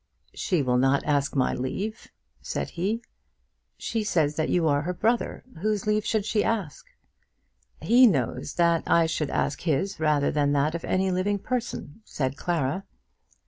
"She will not ask my leave," said he. "She says that you are her brother. Whose leave should she ask?" "He knows that I should ask his rather than that of any living person," said Clara.